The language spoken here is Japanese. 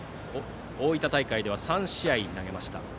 大分大会では３試合で投げました。